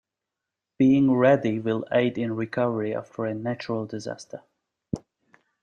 Being ready will aid in recovery after a natural disaster.